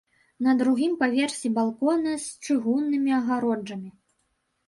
На другім паверсе балконы з чыгуннымі агароджамі.